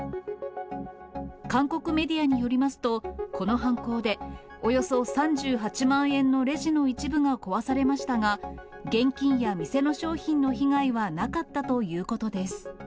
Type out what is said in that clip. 韓国メディアによりますと、この犯行で、およそ３８万円のレジの一部が壊されましたが、現金や店の商品の被害はなかったということです。